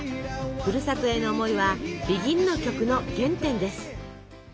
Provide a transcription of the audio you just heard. ふるさとへの思いはＢＥＧＩＮの曲の原点です。